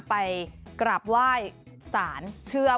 ไปกรับว่ายสารเชื่อ